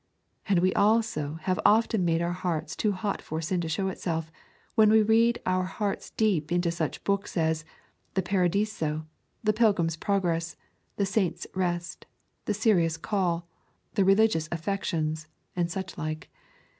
And we also have often made our hearts too hot for sin to show itself, when we read our hearts deep into such books as The Paradiso, The Pilgrim's Progress, The Saint's Rest, The Serious Call, The Religious Affections, and such like.